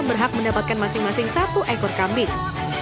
berhak mendapatkan masing masing satu ekor kambing